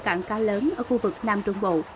cảng cá lớn ở khu vực nam trung bộ